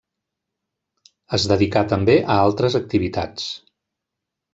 Es dedicà també a altres activitats.